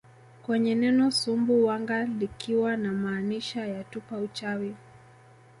kwenye neno Sumbu wanga likiwa namaana ya tupa uchawi